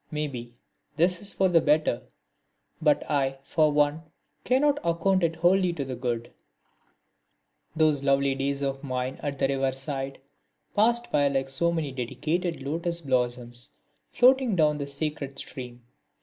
Maybe, this is for the better, but I, for one, cannot account it wholly to the good. [Illustration: The Ganges Again] These lovely days of mine at the riverside passed by like so many dedicated lotus blossoms floating down the sacred stream.